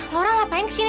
laura ngapain kesini lagi